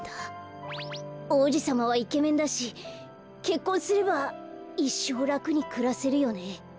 おうじさまはイケメンだしけっこんすればいっしょうらくにくらせるよね。